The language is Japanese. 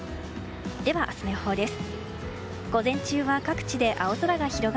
では明日の予報です。